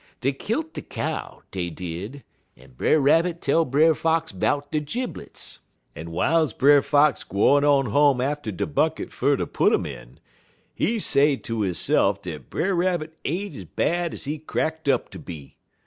Dey kilt de cow, dey did, en Brer Rabbit tell Brer Fox 'bout de jiblets, en w'iles Brer Fox gwine on home atter de bucket fer ter put um in, he say ter hisse'f dat Brer Rabbit ain't bad ez he crackt up ter be.